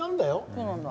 そうなんだ。